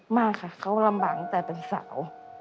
มากค่ะเขาลำบากตั้งแต่เป็นสาว